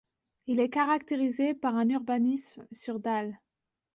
Il est caractérisé par un urbanisme sur dalles.